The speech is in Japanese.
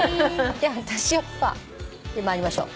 じゃあ私は「パパ」参りましょう。